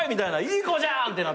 いい子じゃんってなったもん。